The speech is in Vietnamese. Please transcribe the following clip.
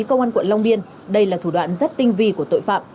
cơ quan quận long biên đây là thủ đoạn rất tinh vi của tội phạm